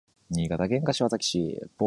新潟県柏崎市